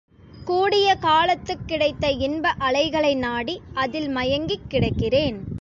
கூடிய காலத்துக் கிடைத்த இன்ப அலைகளை நாடி அதில் மயங்கிக் கிடக்கிறேன்.